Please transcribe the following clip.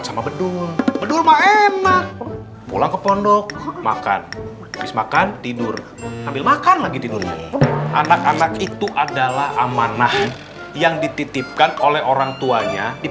sampai jumpa di video selanjutnya